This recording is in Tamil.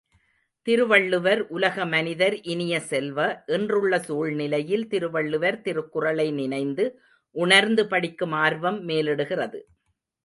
திருவள்ளுவர் உலக மனிதர் இனிய செல்வ, இன்றுள்ள சூழ்நிலையில் திருவள்ளுவர், திருக்குறளை நினைந்து உணர்ந்து படிக்கும் ஆர்வம் மேலிடுகிறது.